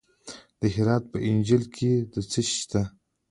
د هرات په انجیل کې څه شی شته؟